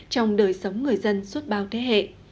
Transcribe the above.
bằng đời sống người dân suốt bao thế hệ